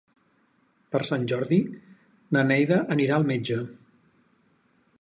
Per Sant Jordi na Neida anirà al metge.